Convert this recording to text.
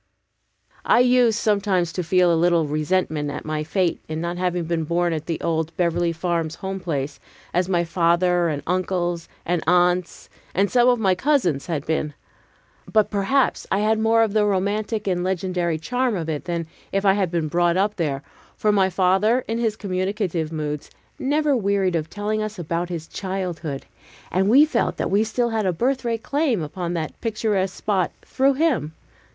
I used sometimes to feel a little resentment at my fate in not having been born at the old Beverly Farms home place, as my father and uncles and aunts and some of my cousins had been. But perhaps I had more of the romantic and legendary charm of it than if I had been brought up there, for my father, in his communicative moods, never wearied of telling us about his childhood; and we felt that we still held a birthright claim upon that picturesque spot through him.